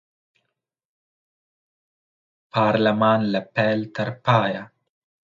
پارلمان له پیل تر پایه